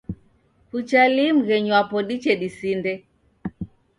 Kucha lii mghenyi wapo diche disinde?